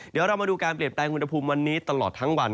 เดี๋ยวเรามาดูการเปลี่ยนแปลงอุณหภูมิวันนี้ตลอดทั้งวัน